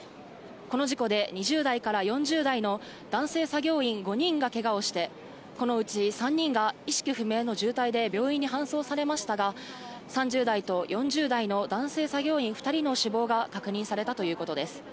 この事故で２０代から４０代の男性作業員５人がけがをして、このうち３人が意識不明の重体で病院に搬送されましたが、３０代と４０代の男性作業員２の死亡が確認されたということです。